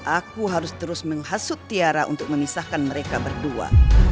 aku harus terus menghasut tiara untuk memisahkan mereka berdua